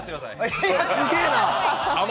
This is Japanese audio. すげぇな！